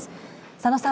佐野さん。